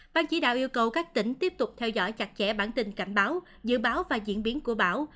ban chỉ đạo yêu cầu các tỉnh tiếp tục theo dõi chặt chẽ bản tin cảnh báo dự báo và diễn biến của bão